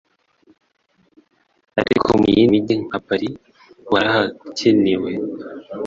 ariko mu yindi mijyi nka Paris warahakiniwe